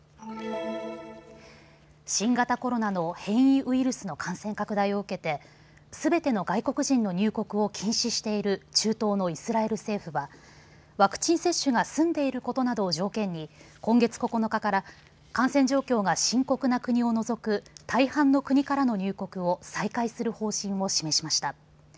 新型コロナの変異ウイルスの感染拡大を受けてすべての外国人の入国を禁止している中東のイスラエル政府はワクチン接種が済んでいることなどを条件に今月９日から感染状況が深刻な国を除く大半の国からの入国を再開する方針を示しました。